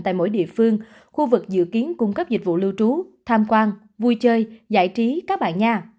tại mỗi địa phương khu vực dự kiến cung cấp dịch vụ lưu trú tham quan vui chơi giải trí các bạn nhà